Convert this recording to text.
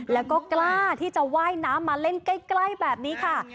แล้วก็กล้าที่จะว่ายน้ำมาเล่นใกล้แบบนี้ค่ะ